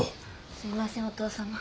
すいませんお義父様。